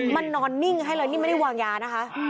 มันนอนนิ่งให้เลยนี่ไม่ได้วางยานะคะ